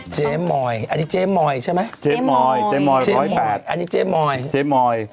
เจ๊มอยอันนี้เจ๊มอยใช่ไหม